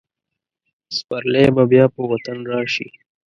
سپرلی به بیا په وطن راشي.